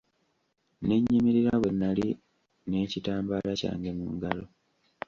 Ne nnyimirira we nnali n'ekitambaala kyange mu ngalo.